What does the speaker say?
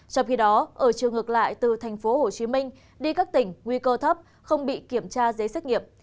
trong khi đó ở trường ngược lại từ thành phố hồ chí minh đi các tỉnh nguy cơ thấp không bị kiểm tra giấy xét nghiệm